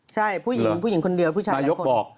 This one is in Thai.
ใช่ผู้หญิงคนเดียวผู้ชายหลายคน